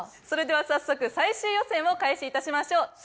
それでは早速最終予選を開始いたしましょう。